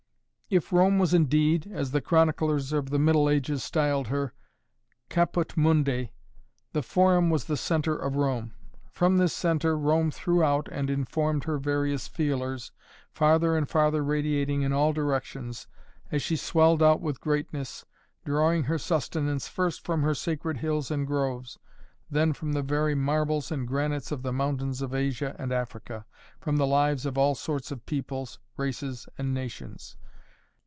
If Rome was indeed, as the chroniclers of the Middle Ages styled her, "Caput Mundi," the Forum was the centre of Rome. From this centre Rome threw out and informed her various feelers, farther and farther radiating in all directions, as she swelled out with greatness, drawing her sustenance first from her sacred hills and groves, then from the very marbles and granites of the mountains of Asia and Africa, from the lives of all sorts of peoples, races and nations.